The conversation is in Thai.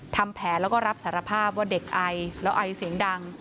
ทำแผนแล้วก็รับสารภาพว่าเด็กไอแล้วไอเสียงดัง